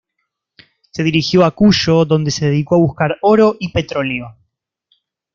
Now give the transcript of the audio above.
Se dirigió a Cuyo, donde se dedicó a buscar oro y petróleo.